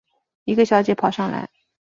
一个小姐跑上来